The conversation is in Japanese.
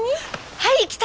はいきた！